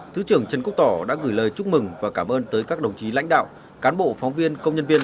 thứ trưởng trần quốc tỏ đã gửi lời chúc mừng và cảm ơn tới các đồng chí lãnh đạo cán bộ phóng viên công nhân viên